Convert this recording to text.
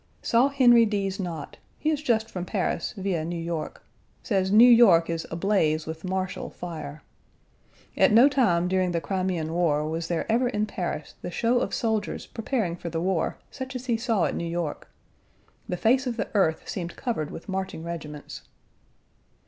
Saw Henry Deas Nott. He is just from Paris, via New York. Says New York is ablaze with martial fire. At no time during the Crimean war was there ever in Paris the show of soldiers preparing for the war such as he saw at New York. The face of the earth seemed covered with marching regiments.